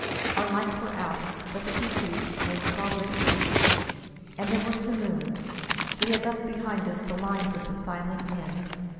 Our lamps were out, but the fusées made progress easy. And there was the moon. We had left behind us the lines of the silent men.